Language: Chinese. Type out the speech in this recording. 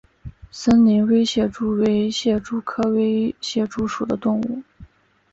森林微蟹蛛为蟹蛛科微蟹蛛属的动物。